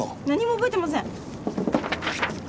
何も覚えてません。